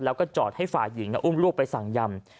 แล้วก็จอดให้ฝ่ายหญิงอุ้มลูกไปสั่งยำ